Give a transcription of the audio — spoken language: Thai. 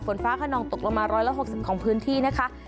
ฝนฟ้าขนองตกลงมา๑๖๐ของพื้นที่นะคะ